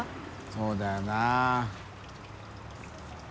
そうだよな。